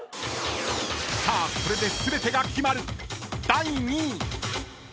［さあこれで全てが決まる！］